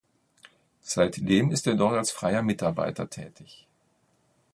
Seitdem ist er dort als freier Mitarbeiter tätig.